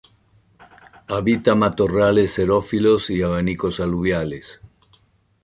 Habita matorrales xerófilos y abanicos aluviales.